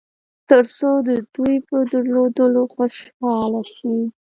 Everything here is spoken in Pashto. تر څو د دوی په درلودلو خوشاله شئ.